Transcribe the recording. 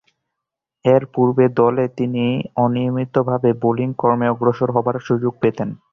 এর পূর্বে দলে তিনি অনিয়মিতভাবে বোলিং কর্মে অগ্রসর হবার সুযোগ পেতেন।